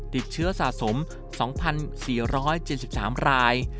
ติดเชื้อสะสม๒๔๗๓ราย